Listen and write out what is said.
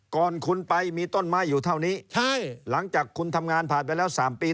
ก่อนคุณไปมีต้นไม้อยู่เท่านี้ใช่หลังจากคุณทำงานผ่านไปแล้ว๓ปี